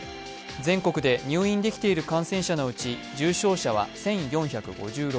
全国で入院できている感染者のうち、重症者は１４５６人。